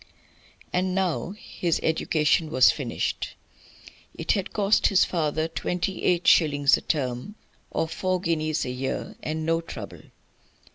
And now his education was finished. It had cost his father twenty eight shillings a term, or four guineas a year, and no trouble.